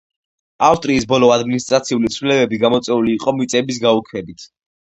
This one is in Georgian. ავსტრიის ბოლო ადმინისტრაციული ცვლილებები გამოწვეული იყო მიწების გაუქმებით.